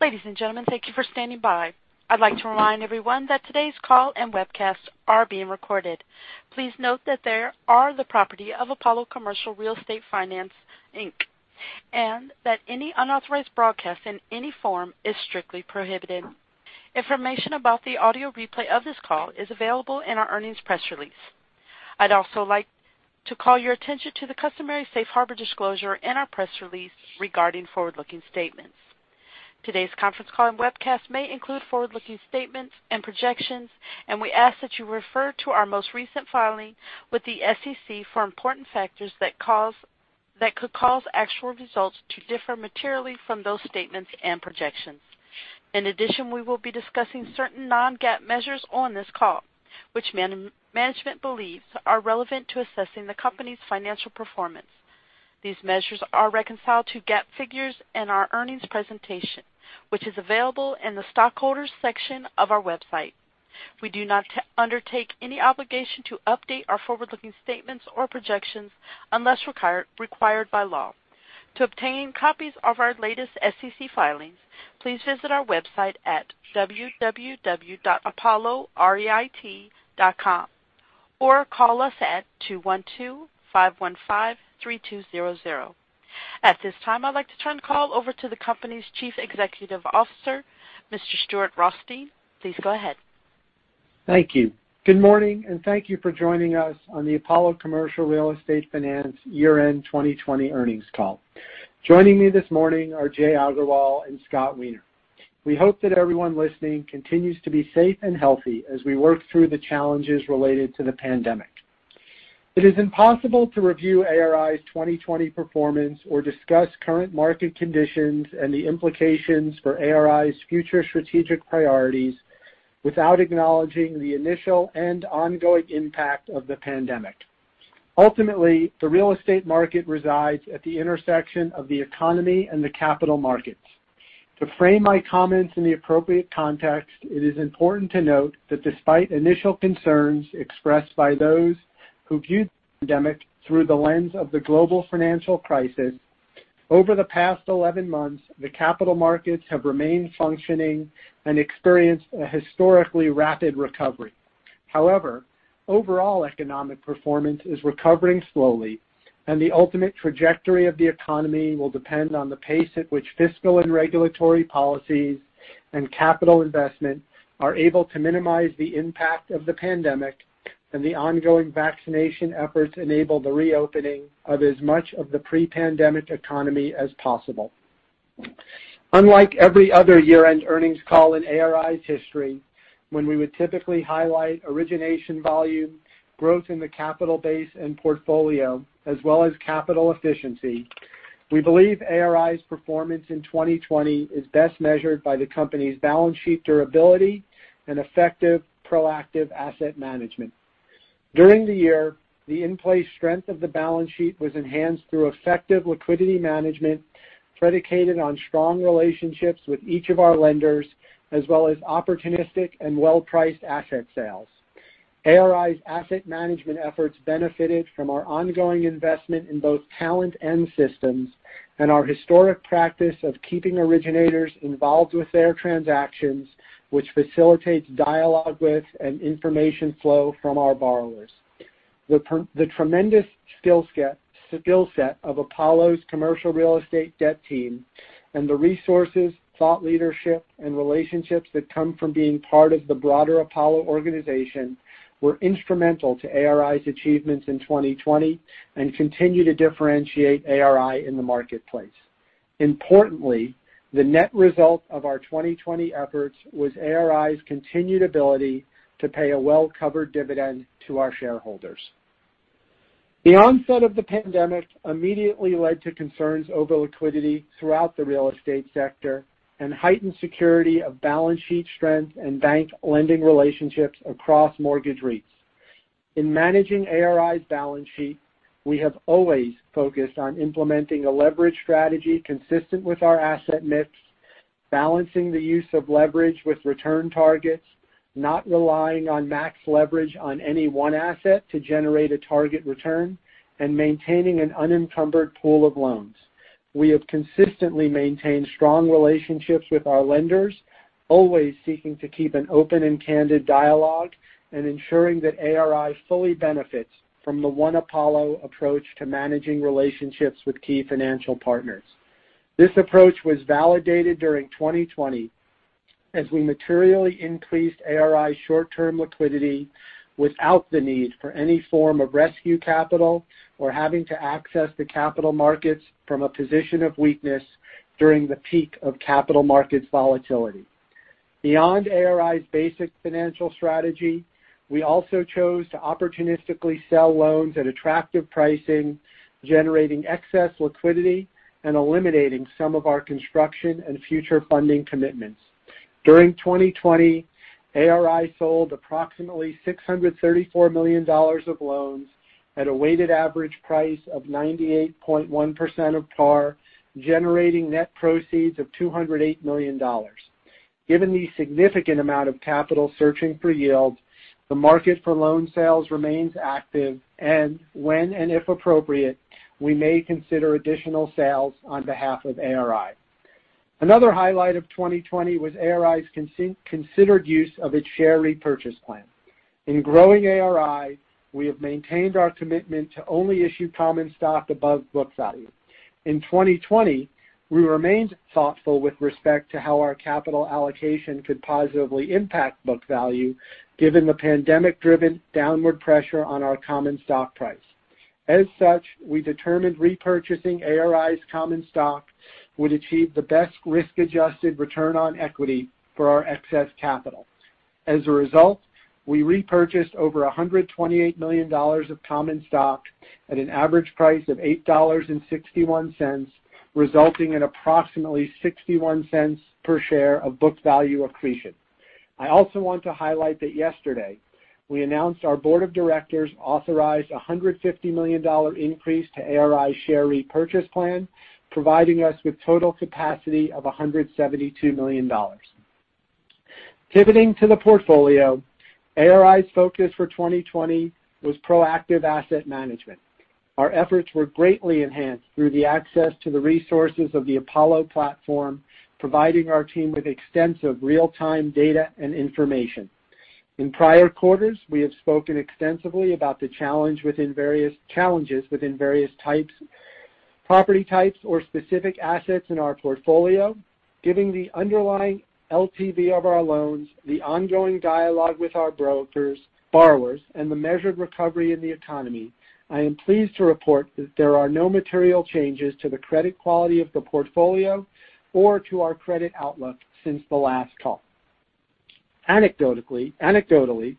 Ladies and gentlemen, thank you for standing by. I'd like to remind everyone that today's call and webcast are being recorded. Please note that they are the property of Apollo Commercial Real Estate Finance, Inc., and that any unauthorized broadcast in any form is strictly prohibited. Information about the audio replay of this call is available in our earnings press release. I'd also like to call your attention to the customary safe harbor disclosure in our press release regarding forward-looking statements. Today's conference call and webcast may include forward-looking statements and projections, and we ask that you refer to our most recent filing with the SEC for important factors that could cause actual results to differ materially from those statements and projections. In addition, we will be discussing certain non-GAAP measures on this call, which management believes are relevant to assessing the company's financial performance. These measures are reconciled to GAAP figures in our earnings presentation, which is available in the Shareholders section of our website. We do not undertake any obligation to update our forward-looking statements or projections unless required by law. To obtain copies of our latest SEC filings, please visit our website at www.apolloreit.com or call us at two one two five one five three two zero zero. At this time, I'd like to turn the call over to the company's Chief Executive Officer, Mr. Stuart Rothstein. Please go ahead. Thank you. Good morning, thank you for joining us on the Apollo Commercial Real Estate Finance year-end 2020 earnings call. Joining me this morning are Jai Agarwal and Scott Weiner. We hope that everyone listening continues to be safe and healthy as we work through the challenges related to the pandemic. It is impossible to review ARI's 2020 performance or discuss current market conditions and the implications for ARI's future strategic priorities without acknowledging the initial and ongoing impact of the pandemic. Ultimately, the real estate market resides at the intersection of the economy and the capital markets. To frame my comments in the appropriate context, it is important to note that despite initial concerns expressed by those who viewed the pandemic through the lens of the global financial crisis, over the past 11 months, the capital markets have remained functioning and experienced a historically rapid recovery. Overall economic performance is recovering slowly, and the ultimate trajectory of the economy will depend on the pace at which fiscal and regulatory policies and capital investment are able to minimize the impact of the pandemic, and the ongoing vaccination efforts enable the reopening of as much of the pre-pandemic economy as possible. Unlike every other year-end earnings call in ARI's history, when we would typically highlight origination volume, growth in the capital base and portfolio, as well as capital efficiency, we believe ARI's performance in 2020 is best measured by the company's balance sheet durability and effective proactive asset management. During the year, the in-place strength of the balance sheet was enhanced through effective liquidity management predicated on strong relationships with each of our lenders, as well as opportunistic and well-priced asset sales. ARI's asset management efforts benefited from our ongoing investment in both talent and systems, our historic practice of keeping originators involved with their transactions, which facilitates dialogue with and information flow from our borrowers. The tremendous skillset of Apollo's commercial real estate debt team and the resources, thought leadership, and relationships that come from being part of the broader Apollo organization were instrumental to ARI's achievements in 2020 and continue to differentiate ARI in the marketplace. Importantly, the net result of our 2020 efforts was ARI's continued ability to pay a well-covered dividend to our shareholders. The onset of the pandemic immediately led to concerns over liquidity throughout the real estate sector and heightened scrutiny of balance sheet strength and bank lending relationships across mortgage REITs. In managing ARI's balance sheet, we have always focused on implementing a leverage strategy consistent with our asset mix, balancing the use of leverage with return targets, not relying on max leverage on any one asset to generate a target return, and maintaining an unencumbered pool of loans. We have consistently maintained strong relationships with our lenders, always seeking to keep an open and candid dialogue and ensuring that ARI fully benefits from the One Apollo approach to managing relationships with key financial partners. This approach was validated during 2020 as we materially increased ARI short-term liquidity without the need for any form of rescue capital or having to access the capital markets from a position of weakness during the peak of capital markets volatility. Beyond ARI's basic financial strategy, we also chose to opportunistically sell loans at attractive pricing, generating excess liquidity, and eliminating some of our construction and future funding commitments. During 2020, ARI sold approximately $634 million of loans at a weighted average price of 98.1% of par, generating net proceeds of $208 million. Given the significant amount of capital searching for yield, the market for loan sales remains active, and when and if appropriate, we may consider additional sales on behalf of ARI. Another highlight of 2020 was ARI's considered use of its share repurchase plan. In growing ARI, we have maintained our commitment to only issue common stock above book value. In 2020, we remained thoughtful with respect to how our capital allocation could positively impact book value, given the pandemic-driven downward pressure on our common stock price. As such, we determined repurchasing ARI's common stock would achieve the best risk-adjusted return on equity for our excess capital. As a result, we repurchased over $128 million of common stock at an average price of $8.61, resulting in approximately $0.61 per share of book value accretion. I also want to highlight that yesterday, we announced our board of directors authorized $150 million increase to ARI's share repurchase plan, providing us with total capacity of $172 million. Pivoting to the portfolio, ARI's focus for 2020 was proactive asset management. Our efforts were greatly enhanced through the access to the resources of the Apollo platform, providing our team with extensive real-time data and information. In prior quarters, we have spoken extensively about the challenges within various property types or specific assets in our portfolio. Given the underlying LTV of our loans, the ongoing dialogue with our brokers, borrowers, and the measured recovery in the economy, I am pleased to report that there are no material changes to the credit quality of the portfolio or to our credit outlook since the last call. Anecdotally,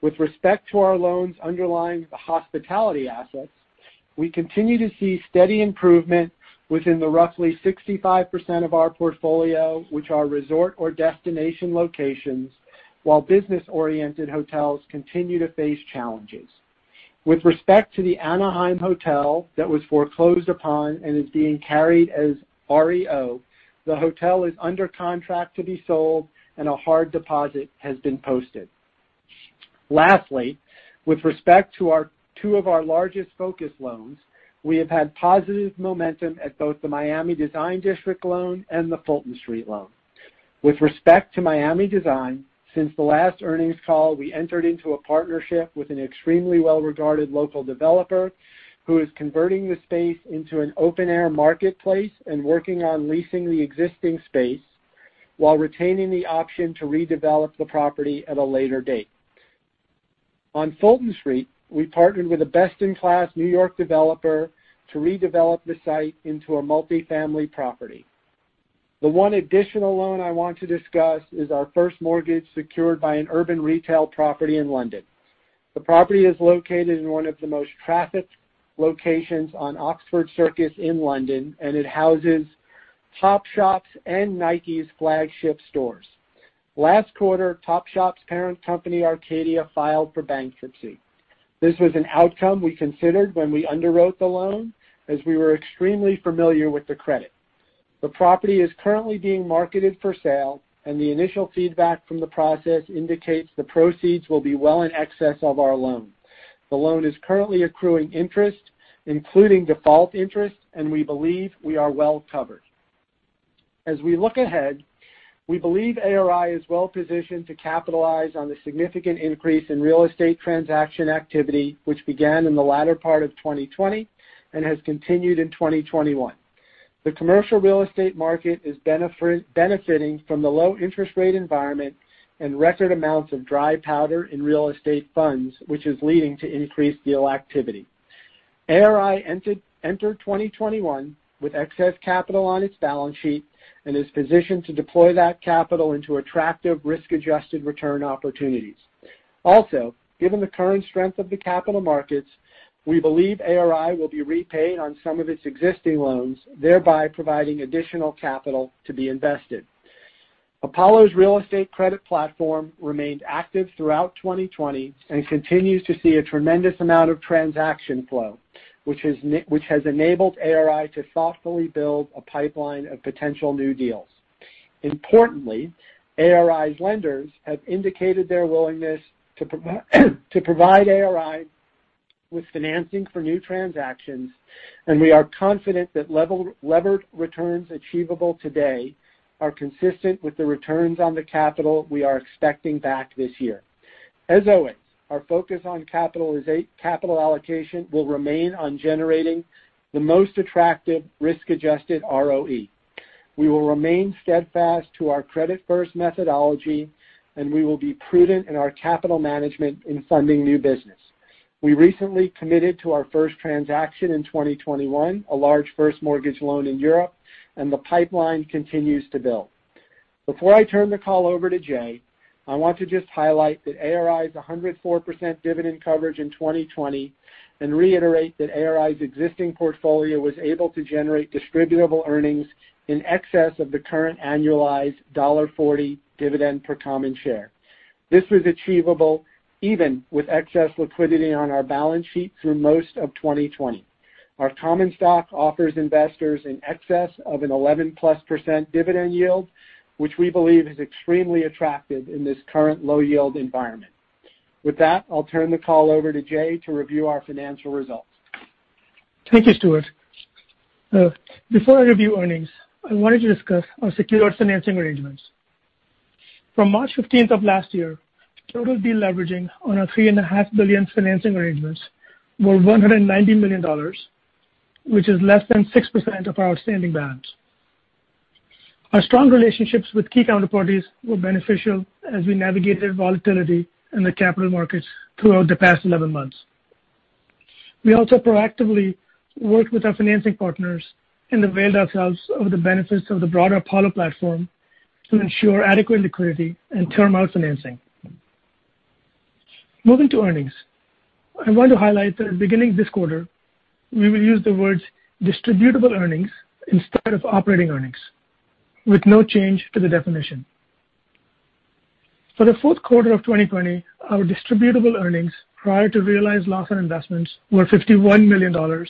with respect to our loans underlying the hospitality assets, we continue to see steady improvement within the roughly 65% of our portfolio which are resort or destination locations, while business-oriented hotels continue to face challenges. With respect to the DoubleTree by Hilton Hotel Anaheim - Orange County that was foreclosed upon and is being carried as REO, the hotel is under contract to be sold, and a hard deposit has been posted. Lastly, with respect to two of our largest focus loans, we have had positive momentum at both the Miami Design District loan and the Fulton Street loan. With respect to Miami Design, since the last earnings call, we entered into a partnership with an extremely well-regarded local developer who is converting the space into an open-air marketplace and working on leasing the existing space while retaining the option to redevelop the property at a later date. On Fulton Street, we partnered with a best-in-class New York developer to redevelop the site into a multifamily property. The one additional loan I want to discuss is our first mortgage secured by an urban retail property in London. The property is located in one of the most trafficked locations on Oxford Circus in London, and it houses Topshop's and Nike's flagship stores. Last quarter, Topshop's parent company, Arcadia, filed for bankruptcy. This was an outcome we considered when we underwrote the loan, as we were extremely familiar with the credit. The property is currently being marketed for sale, and the initial feedback from the process indicates the proceeds will be well in excess of our loan. The loan is currently accruing interest, including default interest, and we believe we are well covered. As we look ahead, we believe ARI is well positioned to capitalize on the significant increase in real estate transaction activity, which began in the latter part of 2020 and has continued in 2021. The commercial real estate market is benefiting from the low interest rate environment and record amounts of dry powder in real estate funds, which is leading to increased deal activity. ARI entered 2021 with excess capital on its balance sheet and is positioned to deploy that capital into attractive risk-adjusted return opportunities. Given the current strength of the capital markets, we believe ARI will be repaid on some of its existing loans, thereby providing additional capital to be invested. Apollo's real estate credit platform remained active throughout 2020 and continues to see a tremendous amount of transaction flow, which has enabled ARI to thoughtfully build a pipeline of potential new deals. Importantly, ARI's lenders have indicated their willingness to provide ARI with financing for new transactions, and we are confident that levered returns achievable today are consistent with the returns on the capital we are expecting back this year. As always, our focus on capital allocation will remain on generating the most attractive risk-adjusted ROE. We will remain steadfast to our credit-first methodology, and we will be prudent in our capital management in funding new business. We recently committed to our first transaction in 2021, a large first mortgage loan in Europe, and the pipeline continues to build. Before I turn the call over to Jai, I want to just highlight that ARI's 104% dividend coverage in 2020 and reiterate that ARI's existing portfolio was able to generate distributable earnings in excess of the current annualized $1.40 dividend per common share. This was achievable even with excess liquidity on our balance sheet through most of 2020. Our common stock offers investors in excess of an 11+% dividend yield, which we believe is extremely attractive in this current low-yield environment. With that, I'll turn the call over to Jai to review our financial results. Thank you, Stuart. Before I review earnings, I wanted to discuss our secured financing arrangements. From March 15th of last year, total deleveraging on our $3.5 billion financing arrangements were $190 million, which is less than 6% of our outstanding balance. Our strong relationships with key counterparties were beneficial as we navigated volatility in the capital markets throughout the past 11 months. We also proactively worked with our financing partners and availed ourselves of the benefits of the broader Apollo platform to ensure adequate liquidity and term out financing. Moving to earnings, I want to highlight that beginning this quarter, we will use the words distributable earnings instead of operating earnings with no change to the definition. For the fourth quarter of 2020, our distributable earnings prior to realized loss on investments were $51 million, or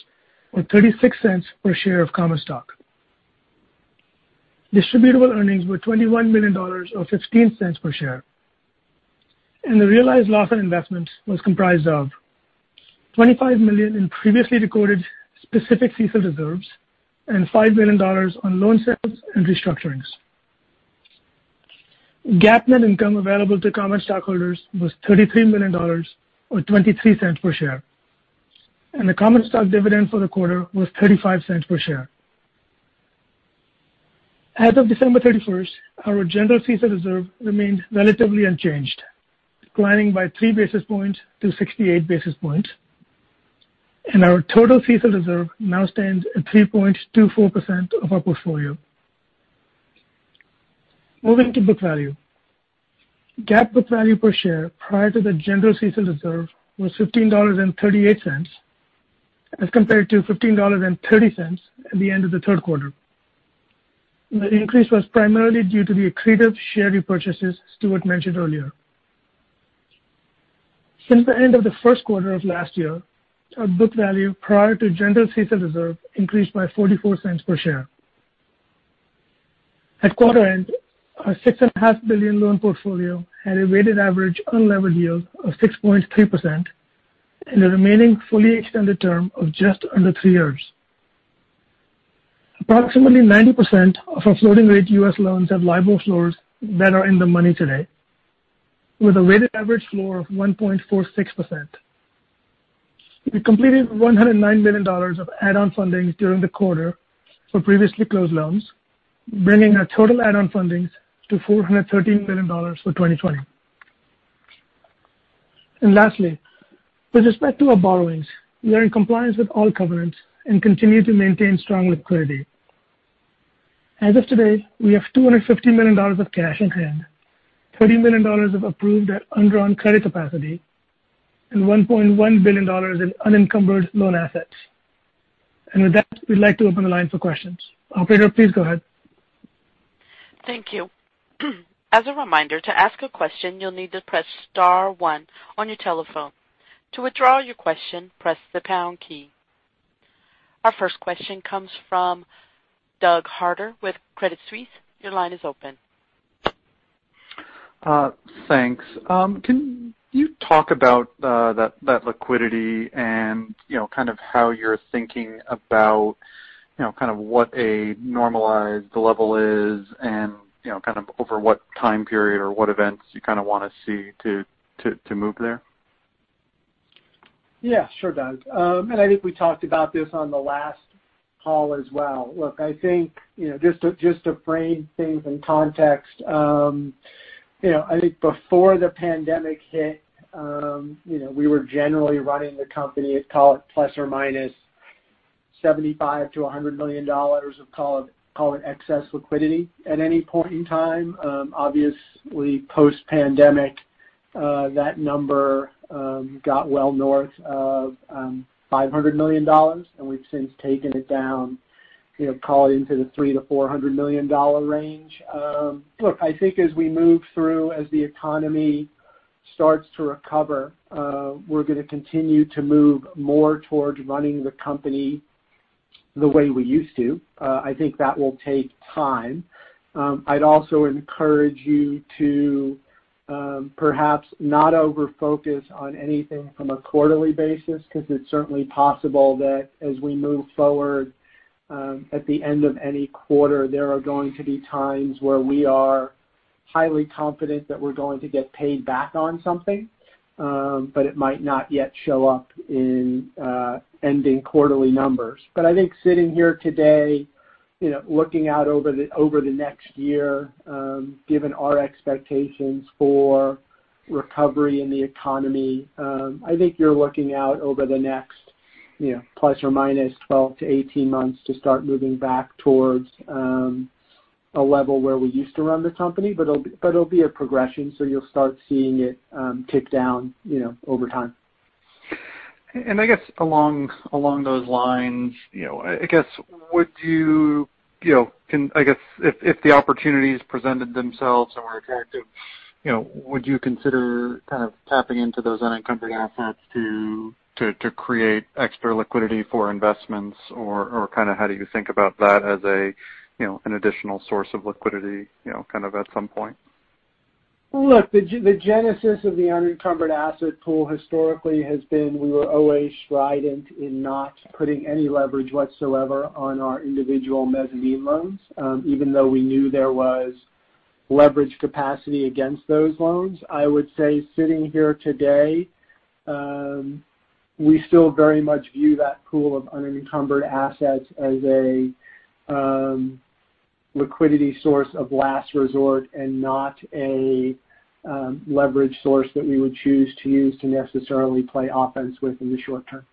$0.36 per share of common stock. Distributable earnings were $21 million or $0.15 per share. The realized loss on investment was comprised of $25 million in previously recorded specific CECL reserves and $5 million on loan sales and restructurings. GAAP net income available to common stockholders was $33 million or $0.23 per share, and the common stock dividend for the quarter was $0.35 per share. As of December 31st, our general CECL reserve remained relatively unchanged, declining by three basis points to 68 basis points, and our total CECL reserve now stands at 3.24% of our portfolio. Moving to book value. GAAP book value per share prior to the general CECL reserve was $15.38 as compared to $15.30 at the end of the third quarter. The increase was primarily due to the accretive share repurchases Stuart mentioned earlier. Since the end of the first quarter of last year, our book value prior to general CECL reserve increased by $0.44 per share. At quarter end, our $6.5 billion loan portfolio had a weighted average unlevered yield of 6.3% and a remaining fully extended term of just under three years. Approximately 90% of our floating-rate U.S. loans have LIBOR floors that are in the money today with a weighted average floor of 1.46%. We completed $109 million of add-on fundings during the quarter for previously closed loans, bringing our total add-on fundings to $413 million for 2020. Lastly, with respect to our borrowings, we are in compliance with all covenants and continue to maintain strong liquidity. As of today, we have $250 million of cash on hand, $30 million of approved undrawn credit capacity, and $1.1 billion in unencumbered loan assets. With that, we'd like to open the line for questions. Operator, please go ahead. Thank you. As a reminder, to ask a question, you'll need to press star one on your telephone. To withdraw your question, press the pound key. Our first question comes from Doug Harter with Credit Suisse. Your line is open. Thanks. Can you talk about that liquidity and kind of how you're thinking about kind of what a normalized level is and kind of over what time period or what events you kind of want to see to move there? Yeah, sure, Doug. I think we talked about this on the last call as well. Look, I think just to frame things in context, I think before the pandemic hit we were generally running the company at call it ±$75 million-$100 million of call it excess liquidity at any point in time. Obviously post-pandemic, that number got well north of $500 million, and we've since taken it down call it into the $300 million-$400 million range. Look, I think as we move through, as the economy starts to recover, we're going to continue to move more towards running the company the way we used to. I think that will take time. I'd also encourage you to perhaps not over-focus on anything from a quarterly basis because it's certainly possible that as we move forward at the end of any quarter, there are going to be times where we are highly confident that we're going to get paid back on something, but it might not yet show up in ending quarterly numbers. I think sitting here today, looking out over the next year, given our expectations for recovery in the economy, I think you're looking out over the next ±12-18 months to start moving back towards a level where we used to run the company. It'll be a progression, so you'll start seeing it tick down over time. I guess along those lines, if the opportunities presented themselves and were attractive, would you consider tapping into those unencumbered assets to create extra liquidity for investments, or how do you think about that as an additional source of liquidity at some point? The genesis of the unencumbered asset pool historically has been we were always strident in not putting any leverage whatsoever on our individual mezzanine loans, even though we knew there was leverage capacity against those loans. I would say sitting here today, we still very much view that pool of unencumbered assets as a liquidity source of last resort and not a leverage source that we would choose to use to necessarily play offense with in the short term.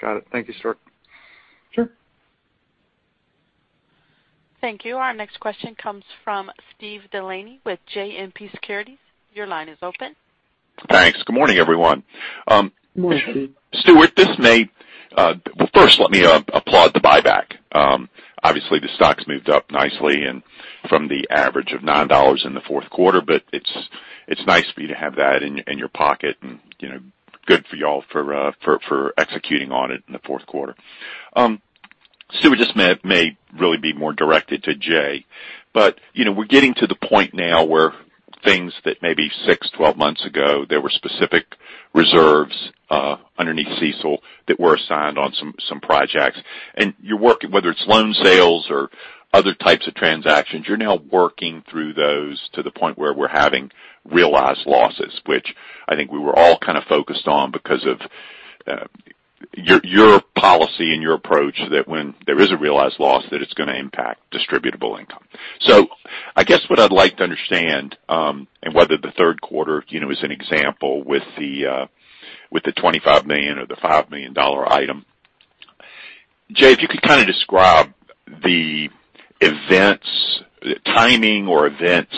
Got it. Thank you, sir. Sure. Thank you. Our next question comes from Steven Delaney with JMP Securities. Thanks. Good morning, everyone. Morning. Stuart, well, first let me applaud the buyback. Obviously, the stock's moved up nicely and from the average of $9 in the fourth quarter, but it's nice for you to have that in your pocket and good for you all for executing on it in the fourth quarter. Stuart, this may really be more directed to Jai, but we're getting to the point now where things that maybe six, 12 months ago, there were specific reserves underneath CECL that were assigned on some projects. You're working, whether it's loan sales or other types of transactions, you're now working through those to the point where we're having realized losses, which I think we were all kind of focused on because of your policy and your approach that when there is a realized loss, that it's going to impact distributable earnings. I guess what I'd like to understand, and whether the third quarter is an example with the $25 million or the $5 million item. Jai, if you could kind of describe the timing or events,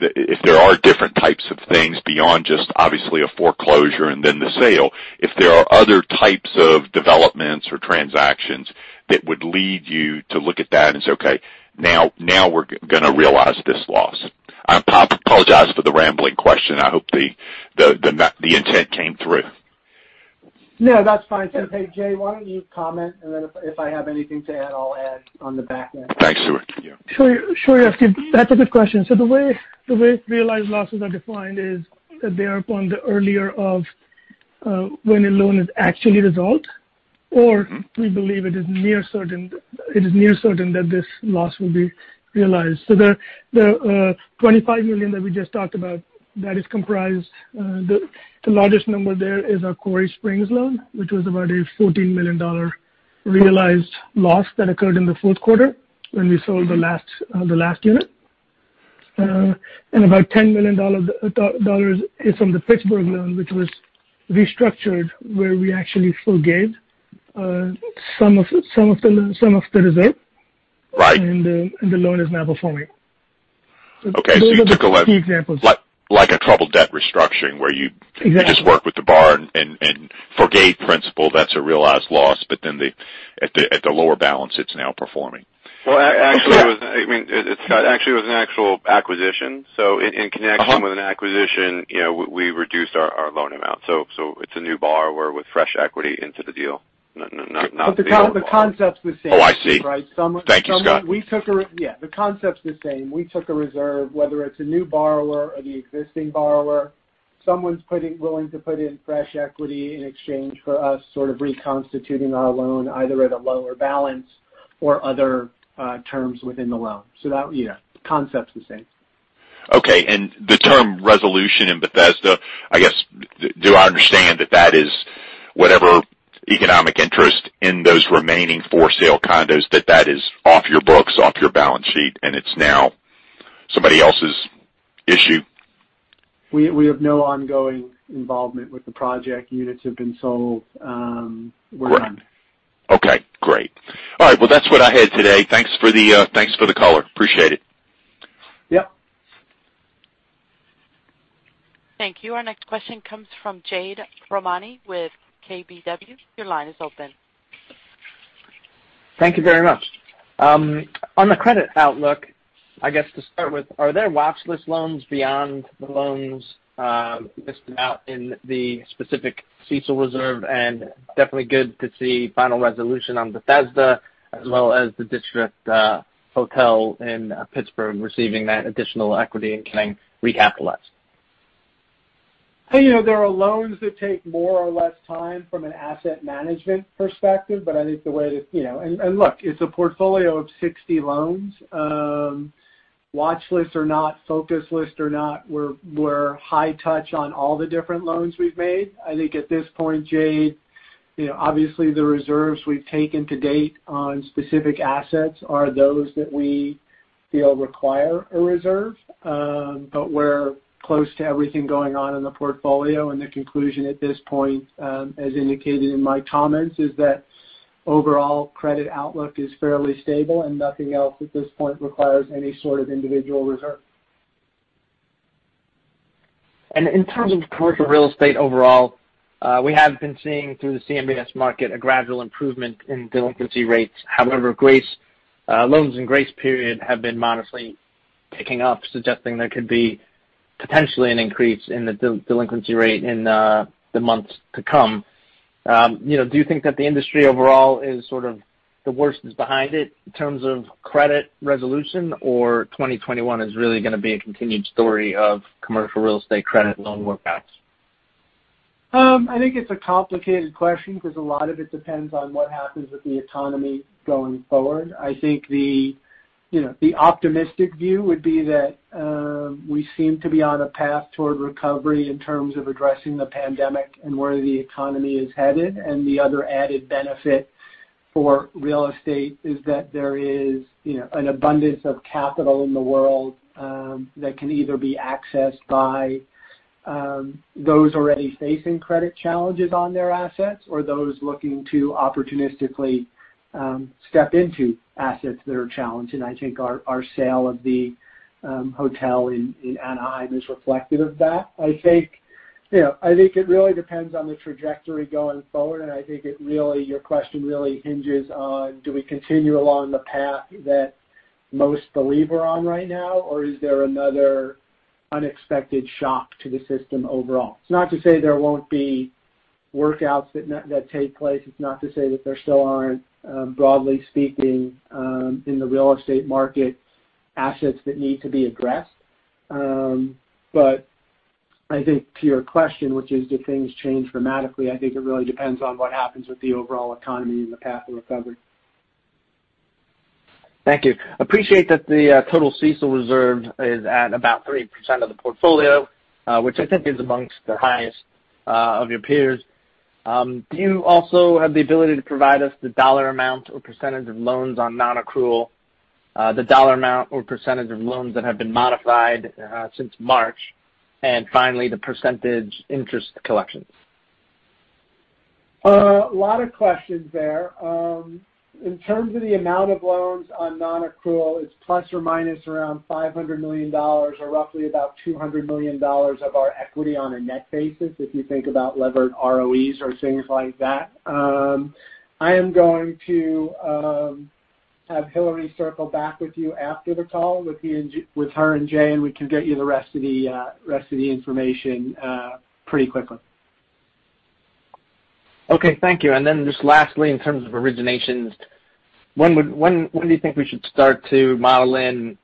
if there are different types of things beyond just obviously a foreclosure and then the sale. If there are other types of developments or transactions that would lead you to look at that and say, "Okay, now we're going to realize this loss." I apologize for the rambling question. I hope the intent came through. No, that's fine. Hey, Jai, why don't you comment? If I have anything to add, I'll add on the back end. Thanks, Stuart. Yeah. Sure. That's a good question. The way realized losses are defined is they are upon the earlier of when a loan is actually resolved or we believe it is near certain that this loss will be realized. The $25 million that we just talked about, that is comprised, the largest number there is our Quarry Springs loan, which was about a $14 million realized loss that occurred in the fourth quarter when we sold the last unit. About $10 million is from the Pittsburgh loan, which was restructured where we actually forgave some of the reserve. Right. The loan is now performing. Okay. Those are the two examples. Like a troubled debt restructuring where. Exactly Just work with the borrower and forgave principal, that's a realized loss, but then at the lower balance, it's now performing. Well, actually, it was an actual acquisition. In connection with an acquisition, we reduced our loan amount. It's a new borrower with fresh equity into the deal, not the old borrower. The concept's the same. Oh, I see. Right? Thank you, Scott. Yeah. The concept's the same. We took a reserve, whether it's a new borrower or the existing borrower. Someone's willing to put in fresh equity in exchange for us sort of reconstituting our loan, either at a lower balance or other terms within the loan. The concept's the same. Okay. The term resolution in Bethesda, I guess, do I understand that that is whatever economic interest in those remaining for-sale condos, that that is off your books, off your balance sheet, and it's now somebody else's issue? We have no ongoing involvement with the project. Units have been sold. We're done. Okay, great. All right. That's what I had today. Thanks for the call. Appreciate it. Yep. Thank you. Our next question comes from Jade Rahmani with KBW. Your line is open. Thank you very much. On the credit outlook, I guess to start with, are there watchlist loans beyond the loans uncertain in the specific CECL reserve? Definitely good to see final resolution on Bethesda as well as the Distrikt Hotel in Pittsburgh receiving that additional equity and getting recapitalized. There are loans that take more or less time from an asset management perspective. Look, it's a portfolio of 60 loans. Watchlist or not, focus list or not, we're high touch on all the different loans we've made. I think at this point, Jade, obviously the reserves we've taken to date on specific assets are those that we feel require a reserve. We're close to everything going on in the portfolio, and the conclusion at this point, as indicated in my comments, is that overall credit outlook is fairly stable and nothing else at this point requires any sort of individual reserve. In terms of commercial real estate overall, we have been seeing through the CMBS market a gradual improvement in delinquency rates. However, loans in grace period have been modestly picking up, suggesting there could be potentially an increase in the delinquency rate in the months to come. Do you think that the industry overall is sort of the worst is behind it in terms of credit resolution, or 2021 is really going to be a continued story of commercial real estate credit loan workouts? I think it's a complicated question because a lot of it depends on what happens with the economy going forward. I think the optimistic view would be that we seem to be on a path toward recovery in terms of addressing the pandemic and where the economy is headed. The other added benefit for real estate is that there is an abundance of capital in the world that can either be accessed by those already facing credit challenges on their assets or those looking to opportunistically step into assets that are challenged. I think our sale of the hotel in Anaheim is reflective of that. I think it really depends on the trajectory going forward, and I think your question really hinges on, do we continue along the path that most believe we're on right now, or is there another unexpected shock to the system overall? It's not to say there won't be workouts that take place. It's not to say that there still aren't, broadly speaking, in the real estate market, assets that need to be addressed. I think to your question, which is do things change dramatically, I think it really depends on what happens with the overall economy and the path of recovery. Thank you. Appreciate that the total CECL reserve is at about 3% of the portfolio, which I think is amongst the highest of your peers. Do you also have the ability to provide us the dollar amount or percentage of loans on nonaccrual, the dollar amount or percentage of loans that have been modified since March, and finally, the percentage interest collections? A lot of questions there. In terms of the amount of loans on nonaccrual, it's ± around $500 million, or roughly about $200 million of our equity on a net basis, if you think about levered ROEs or things like that. I am going to have Hilary Ginsberg back with you after the call with her and Jai, and we can get you the rest of the information pretty quickly. Okay. Thank you. Just lastly, in terms of originations, when do you think we should start to model in,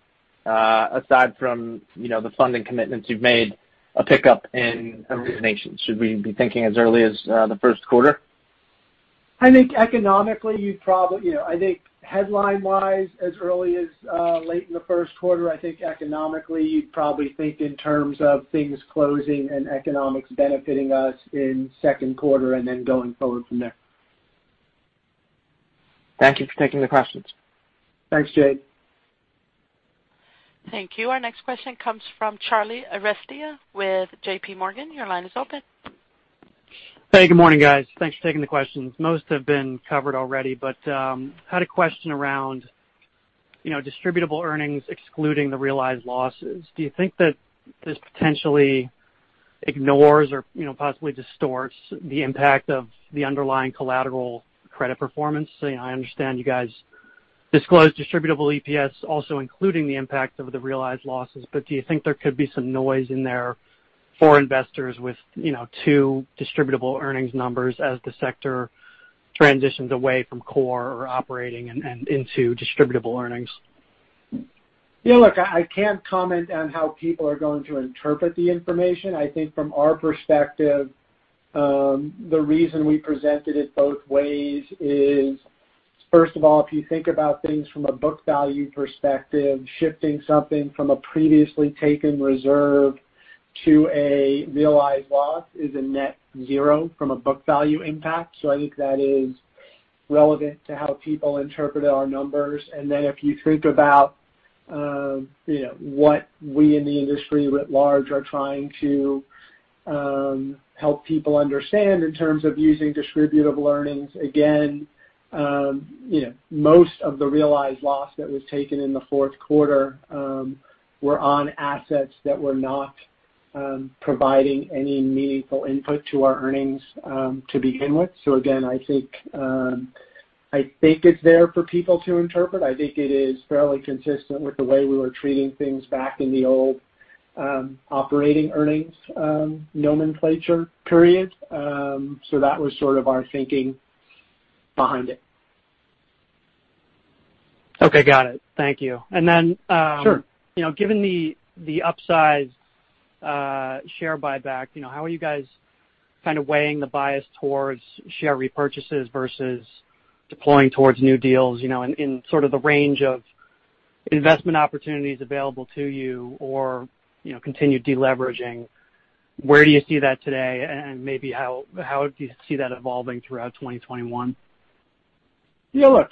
aside from the funding commitments you've made, a pickup in originations? Should we be thinking as early as the first quarter? I think headline-wise, as early as late in the first quarter. I think economically, you'd probably think in terms of things closing and economics benefiting us in second quarter and then going forward from there. Thank you for taking the questions. Thanks, Jade. Thank you. Our next question comes from Charlie Arestia with J.P. Morgan. Your line is open. Hey, good morning, guys. Thanks for taking the questions. Most have been covered already. I had a question around distributable earnings excluding the realized losses. Do you think that this potentially ignores or possibly distorts the impact of the underlying collateral credit performance? I understand you guys disclose distributable EPS also including the impact of the realized losses. Do you think there could be some noise in there for investors with two distributable earnings numbers as the sector transitions away from core or operating and into distributable earnings? Look, I can't comment on how people are going to interpret the information. I think from our perspective, the reason we presented it both ways is, first of all, if you think about things from a book value perspective, shifting something from a previously taken reserve to a realized loss is a net zero from a book value impact. I think that is relevant to how people interpret our numbers. Then if you think about what we in the industry writ large are trying to help people understand in terms of using distributable earnings, again, most of the realized loss that was taken in the fourth quarter were on assets that were not providing any meaningful input to our earnings to begin with. Again, I think it's there for people to interpret. I think it is fairly consistent with the way we were treating things back in the old operating earnings nomenclature period. That was sort of our thinking behind it. Okay. Got it. Thank you. Sure Given the upsized share buyback, how are you guys kind of weighing the bias towards share repurchases versus deploying towards new deals, in sort of the range of investment opportunities available to you or continued de-leveraging? Where do you see that today, and maybe how do you see that evolving throughout 2021? Yeah, look.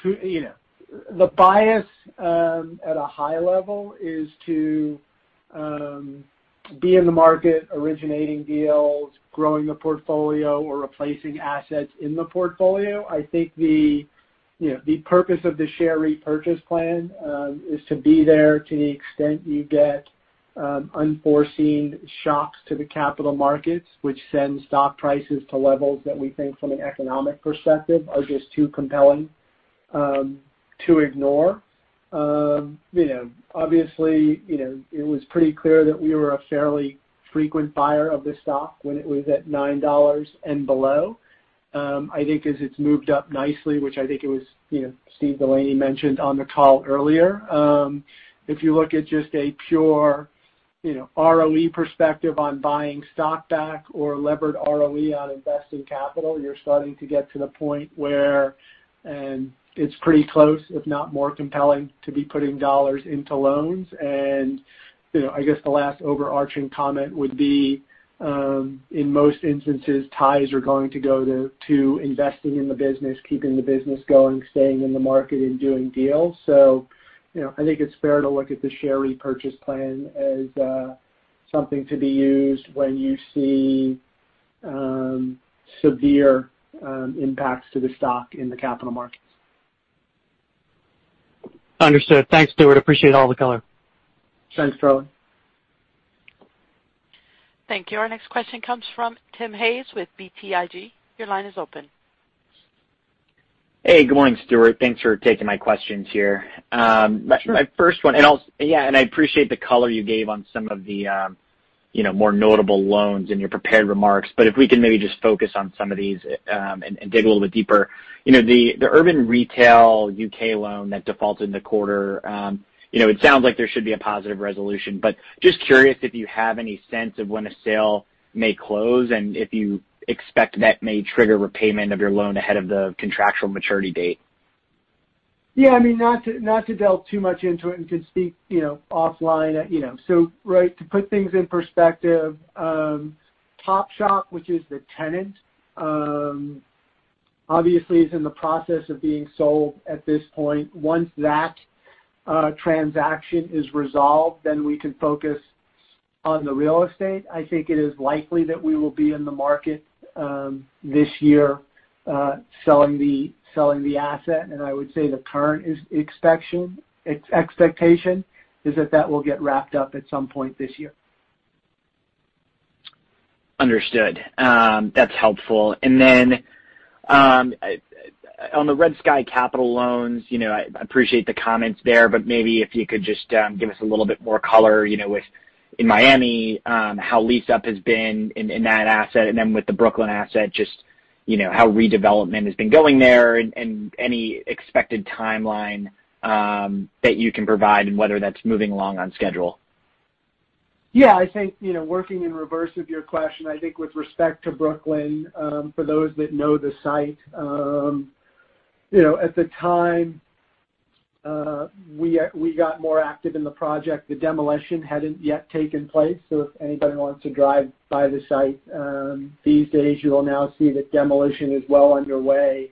The bias at a high level is to be in the market, originating deals, growing the portfolio, or replacing assets in the portfolio. I think the purpose of the share repurchase plan is to be there to the extent you get unforeseen shocks to the capital markets, which sends stock prices to levels that we think from an economic perspective are just too compelling to ignore. Obviously, it was pretty clear that we were a fairly frequent buyer of this stock when it was at $9 and below. I think as it's moved up nicely, which I think Steven Delaney mentioned on the call earlier. If you look at just a pure ROE perspective on buying stock back or levered ROE on investing capital, you're starting to get to the point where it's pretty close, if not more compelling to be putting dollars into loans. I guess the last overarching comment would be, in most instances, ties are going to go to investing in the business, keeping the business going, staying in the market, and doing deals. I think it's fair to look at the share repurchase plan as something to be used when you see severe impacts to the stock in the capital markets. Understood. Thanks, Stuart. Appreciate all the color. Thanks, Charlie. Thank you. Our next question comes from Timothy Hayes with BTIG. Your line is open. Hey, good morning, Stuart. Thanks for taking my questions here. Sure. My first one. I appreciate the color you gave on some of the more notable loans in your prepared remarks. If we can maybe just focus on some of these and dig a little bit deeper. The urban retail U.K. loan that defaulted in the quarter, it sounds like there should be a positive resolution. Just curious if you have any sense of when a sale may close, and if you expect that may trigger repayment of your loan ahead of the contractual maturity date. Yeah. Not to delve too much into it and can speak offline. Right to put things in perspective, Topshop, which is the tenant, obviously is in the process of being sold at this point. Once that transaction is resolved, then we can focus on the real estate. I think it is likely that we will be in the market this year selling the asset. I would say the current expectation is that that will get wrapped up at some point this year. Understood. That's helpful. Then on the RedSky Capital loans, I appreciate the comments there, but maybe if you could just give us a little bit more color, in Miami, how leased up has been in that asset, and then with the Brooklyn asset, just how redevelopment has been going there and any expected timeline that you can provide and whether that's moving along on schedule. Yeah. I think working in reverse of your question, I think with respect to Brooklyn, for those that know the site, at the time we got more active in the project, the demolition hadn't yet taken place. If anybody wants to drive by the site these days, you will now see that demolition is well underway.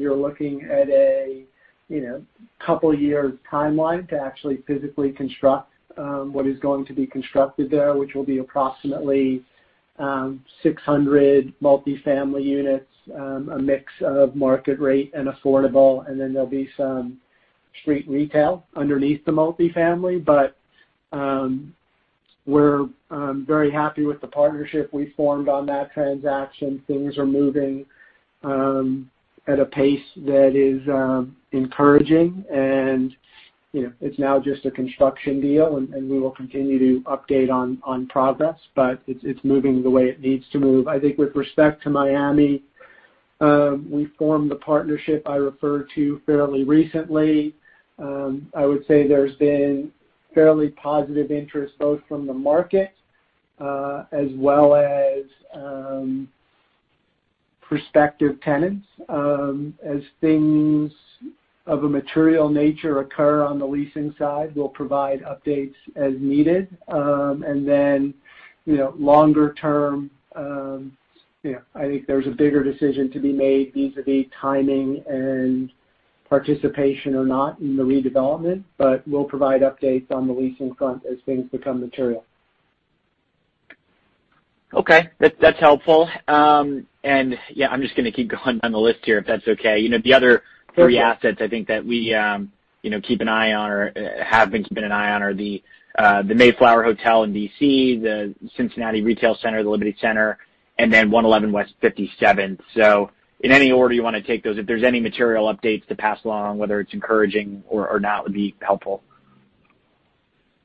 You're looking at a couple of years timeline to actually physically construct what is going to be constructed there, which will be approximately 600 multifamily units, a mix of market rate and affordable. There'll be some street retail underneath the multifamily. We're very happy with the partnership we formed on that transaction. Things are moving at a pace that is encouraging, and it's now just a construction deal, and we will continue to update on progress, but it's moving the way it needs to move. I think with respect to Miami, we formed the partnership I referred to fairly recently. I would say there's been fairly positive interest, both from the market as well as prospective tenants. As things of a material nature occur on the leasing side, we'll provide updates as needed. Longer term, I think there's a bigger decision to be made vis-à-vis timing and participation or not in the redevelopment. We'll provide updates on the leasing front as things become material. Okay. That's helpful. Yeah, I'm just going to keep going down the list here, if that's okay. Sure Three assets I think that we keep an eye on or have been keeping an eye on are the Mayflower Hotel in D.C., the Cincinnati retail center, the Liberty Center, and then 111 West 57th Street. In any order you want to take those, if there's any material updates to pass along, whether it's encouraging or not, would be helpful.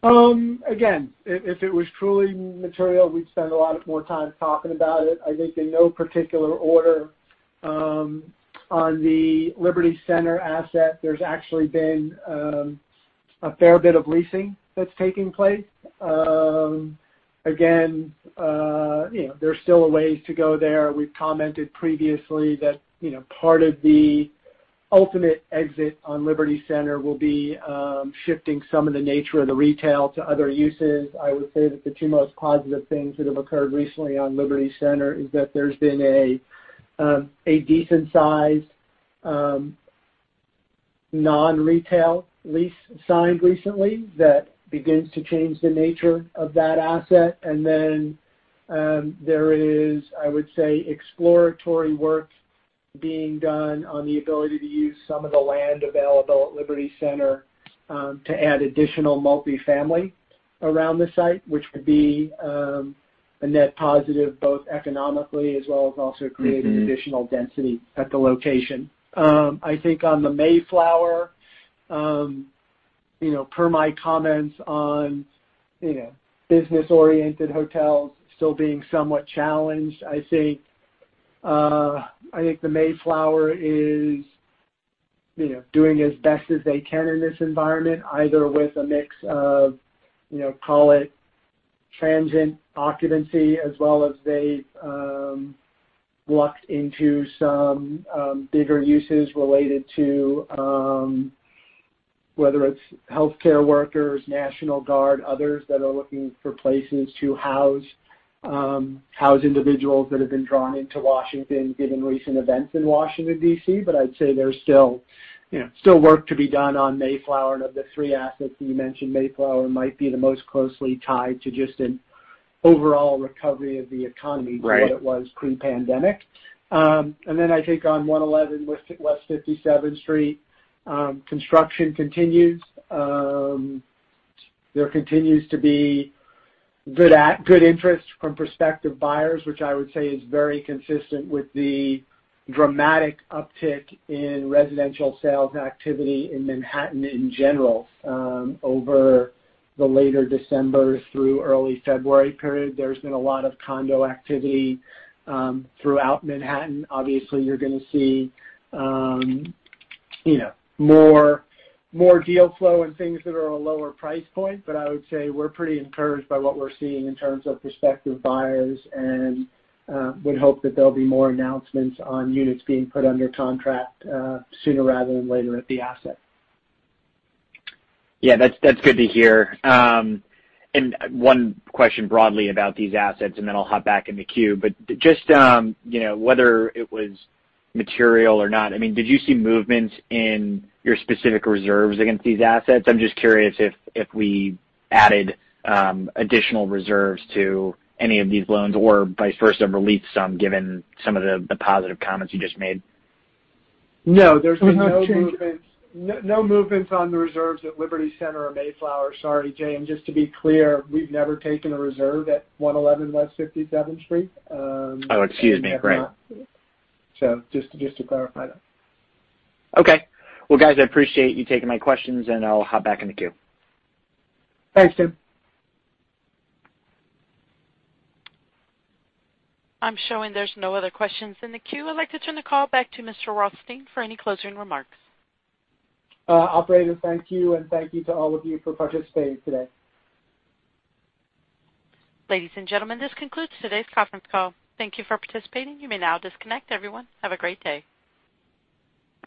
Again, if it was truly material, we'd spend a lot more time talking about it. I think in no particular order, on the Liberty Center asset, there's actually been a fair bit of leasing that's taking place. Again, there's still a ways to go there. We've commented previously that part of the ultimate exit on Liberty Center will be shifting some of the nature of the retail to other uses. I would say that the two most positive things that have occurred recently on Liberty Center is that there's been a decent sized non-retail lease signed recently that begins to change the nature of that asset. There is, I would say, exploratory work being done on the ability to use some of the land available at Liberty Center to add additional multifamily around the site, which could be a net positive both economically as well as also creating additional density at the location. I think on the Mayflower, per my comments on business-oriented hotels still being somewhat challenged, I think the Mayflower is doing as best as they can in this environment, either with a mix of, call it transient occupancy, as well as they've lucked into some bigger uses related to whether it's healthcare workers, National Guard, others that are looking for places to house individuals that have been drawn into Washington given recent events in Washington, D.C. I'd say there's still work to be done on Mayflower. Of the three assets that you mentioned, Mayflower might be the most closely tied to just an overall recovery of the economy. Right To what it was pre-pandemic. I think on 111 West 57th Street, construction continues. There continues to be good interest from prospective buyers, which I would say is very consistent with the dramatic uptick in residential sales activity in Manhattan in general over the later December through early February period. There's been a lot of condo activity throughout Manhattan. Obviously, you're going to see more deal flow and things that are a lower price point. I would say we're pretty encouraged by what we're seeing in terms of prospective buyers and would hope that there'll be more announcements on units being put under contract sooner rather than later at the asset. Yeah, that's good to hear. One question broadly about these assets, then I'll hop back in the queue. Just whether it was material or not, did you see movements in your specific reserves against these assets? I'm just curious if we added additional reserves to any of these loans or vice versa, released some given some of the positive comments you just made. No, there's been no movements on the reserves at Liberty Center or Mayflower. Sorry, Timothy Hayes, just to be clear, we've never taken a reserve at 111 West 57th Street. Oh, excuse me. Right. Just to clarify that. Okay. Well, guys, I appreciate you taking my questions, and I'll hop back in the queue. Thanks, Timothy. I'm showing there's no other questions in the queue. I'd like to turn the call back to Mr. Rothstein for any closing remarks. Operator, thank you, and thank you to all of you for participating today. Ladies and gentlemen, this concludes today's conference call. Thank you for participating. You may now disconnect. Everyone, have a great day.